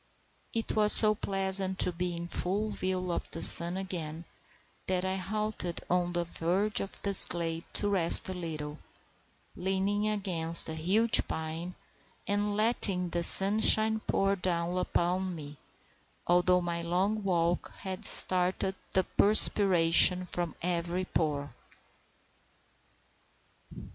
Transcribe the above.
It was so pleasant to be in full view of the sun again, that I halted on the verge of this glade to rest a little, leaning against a huge pine, and letting the sunshine pour down upon me, although my long walk had started the perspiration from every pore.